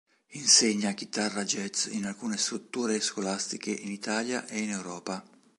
Insegna chitarra jazz in alcune strutture scolastiche in Italia e in Europa.